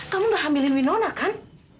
kamu udah hamil winona kan